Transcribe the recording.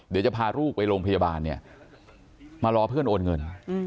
เดี๋ยวจะพาลูกไปโรงพยาบาลเนี่ยมารอเพื่อนโอนเงิน